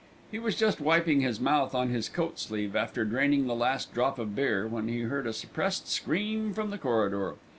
He was just wiping his mouth on his coat sleeve after draining the last drop of beer, when he heard a suppressed scream from the corridor.